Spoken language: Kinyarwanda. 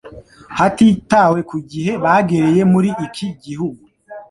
hatitawe ku gihe bagereye muri iki gihugu.